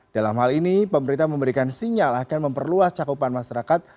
dalam hal ini pemerintah memberikan sinyal akan memperluas cakupan masyarakat